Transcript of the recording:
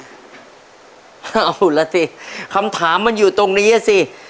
เอาล่ะสิคำถามมันอยู่ตรงนี้สิ